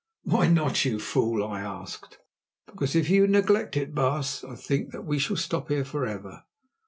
"Why not, you fool?" I asked. "Because if you neglect it, baas, I think that we shall stop here for ever.